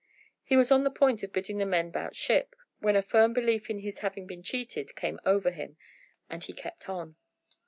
He was on the point of bidding the men "'bout ship," when a firm belief in his having been cheated came over him, and he kept on.